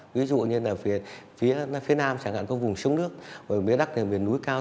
ví dụ như phía nam chẳng hạn có vùng sông nước mấy đắc miền núi cao